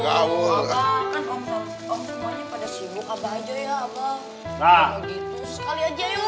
kalau gitu sekali aja yuk abang udah ngapain